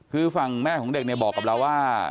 คือฝั่งแม่ของเด็กเนี่ยบอกกับเราว่า